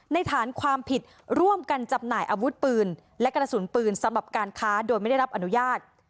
ฐานความผิดร่วมกันจำหน่ายอาวุธปืนและกระสุนปืนสำหรับการค้าโดยไม่ได้รับอนุญาต